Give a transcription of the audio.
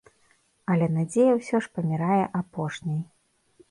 Але надзея ўсё ж памірае апошняй.